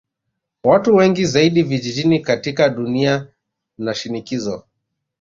Watu wengi zaidi vijijini katika dunia na shinikizo